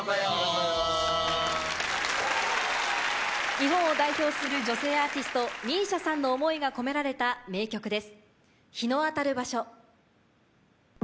日本を代表する女性アーティスト ＭＩＳＩＡ さんの思いが込められた名曲です。